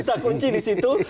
kita kunci disitu